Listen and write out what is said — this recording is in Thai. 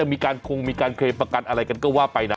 มีการคงมีการเคลมประกันอะไรกันก็ว่าไปนะ